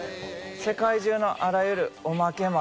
世界中のあらゆるおまけもあるし。